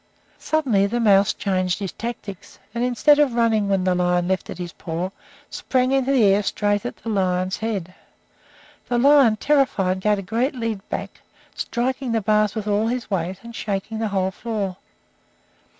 Suddenly the mouse changed his tactics, and, instead of running when the lion lifted his paw, sprang into the air straight at the lion's head. The lion, terrified, gave a great leap back, striking the bars with all his weight, and shaking the whole floor.